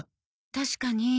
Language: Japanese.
確かに。